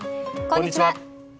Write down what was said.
こんにちは。